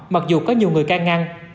mặc dù có nhiều người can ngăn